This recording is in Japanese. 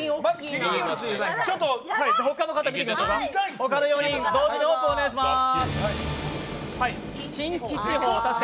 ほかの４人、同時にオープンをお願いします。